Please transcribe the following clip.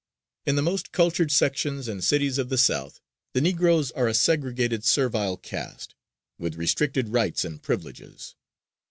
In the most cultured sections and cities of the South the Negroes are a segregated servile caste, with restricted rights and privileges.